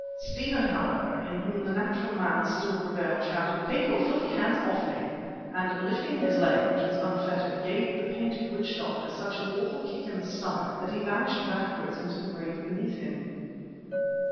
Stephen, however, in whom the natural man still prevailed, shouted: "Take your filthy hands off me," and lifting his leg, which was unfettered, gave the painted witch doctor such an awful kick in the stomach, that he vanished backwards into the grave beneath him.